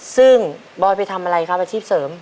ซึ่งบอยไปทำอะไรครับอาชีพเสริม